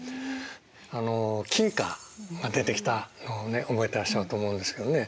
あの金貨が出てきたのを覚えてらっしゃると思うんですけどね